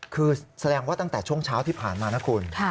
คือแสดงว่าตั้งแต่ช่วงเช้าที่ผ่านมานะคุณ